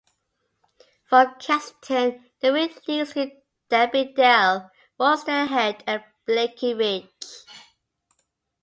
From Castleton the route leads to Danby Dale, Rosedale Head and Blakey Ridge.